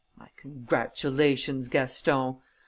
My congratulations, Gaston!...